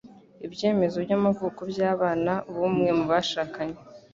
Ibyemezo by'amavuko by'abana b'umwe mu bashakanye